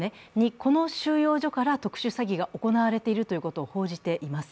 この収容所から特殊詐欺が行われているということを報じています。